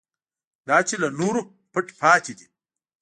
دا چې له نورو پټ پاتې دی.